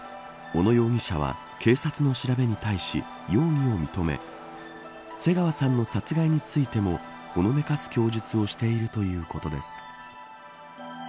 小野容疑者は警察の調べに対し容疑を認め瀬川さんの殺害についてもほのめかす供述をしているということです。